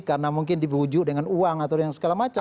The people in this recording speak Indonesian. karena mungkin dibujuk dengan uang atau yang segala macam